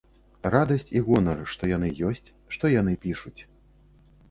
Радасць і гонар, што яны ёсць, што яны пішуць.